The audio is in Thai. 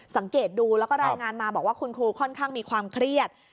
สังเกตดูแล้วก็รายงานมาบอกว่าคุณครูค่อนข้างมีความเครียด